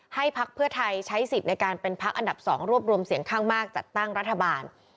พักเพื่อไทยใช้สิทธิ์ในการเป็นพักอันดับ๒รวบรวมเสียงข้างมากจัดตั้งรัฐบาล